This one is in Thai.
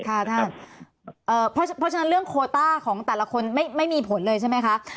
เพราะฉะนั้นเรื่องโคต้าของแต่ละคนไม่มีผลเลยใช่ไหมคะ